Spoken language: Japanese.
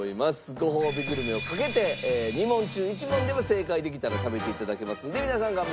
ごほうびグルメをかけて２問中１問でも正解できたら食べて頂けますので皆さん頑張ってください。